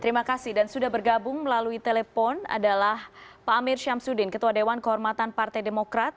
terima kasih dan sudah bergabung melalui telepon adalah pak amir syamsuddin ketua dewan kehormatan partai demokrat